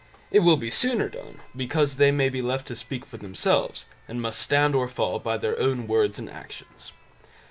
It will be sooner done, because they may be left to speak for themselves, and must stand or fall by their own words and actions.